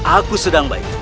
aku sedang baik